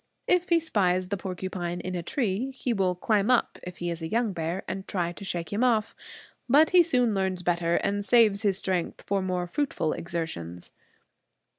If he spies the porcupine in a tree, he will climb up, if he is a young bear, and try to shake him off. But he soon learns better, and saves his strength for more fruitful exertions.